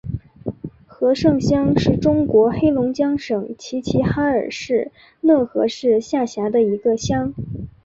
和盛乡是中国黑龙江省齐齐哈尔市讷河市下辖的一个乡。